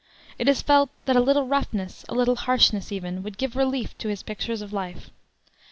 It is felt that a little roughness, a little harshness, even, would give relief to his pictures of life.